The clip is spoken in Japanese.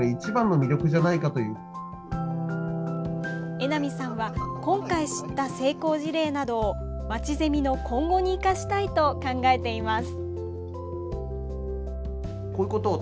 榎並さんは、今回知った成功事例などをまちゼミの今後に生かしたいと考えています。